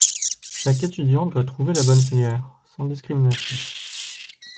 Chaque étudiant doit trouver la bonne filière, sans discrimination.